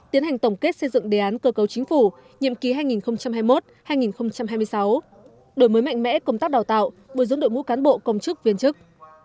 tiến hành tổng kết xây dựng đề án cơ cấu chính phủ nhiệm ký hai nghìn hai mươi một hai nghìn hai mươi sáu đổi mới mạnh mẽ công tác đào tạo bồi dưỡng đội ngũ cán bộ công chức viên chức